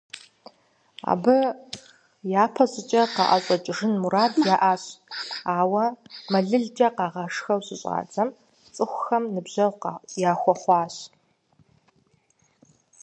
Абы япэщӀыкӀэ къаӀэщӀэкӀыжын мурад иӀащ, ауэ мэлылкӀэ къагъашхэу щыщӀадзэм, цӀыхухэм ныбжьэгъу яхуэхъуащ.